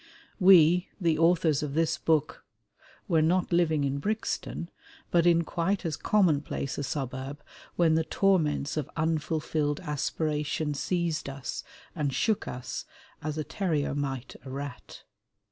We the authors of this book were not living in Brixton, but in quite as commonplace a suburb when the torments of unfulfilled aspiration seized us and shook us, as a terrier might a rat.